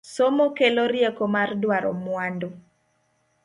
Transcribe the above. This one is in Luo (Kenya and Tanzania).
Somo kelo rieko mar duaro mwandu